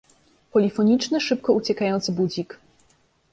Polifoniczny, szybko uciekający budzik.